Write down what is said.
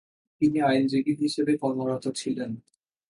তিনি আইনজীবী হিসেবে কর্মরত ছিলেন।